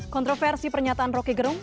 kontroversi pernyataan roky gerung